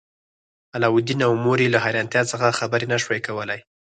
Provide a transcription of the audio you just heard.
علاوالدین او مور یې له حیرانتیا څخه خبرې نشوای کولی.